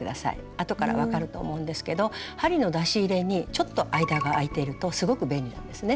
あとから分かると思うんですけど針の出し入れにちょっと間があいてるとすごく便利なんですね。